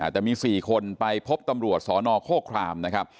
แต่มี๔คนไปพบตำรวจสนโคครามนะครับ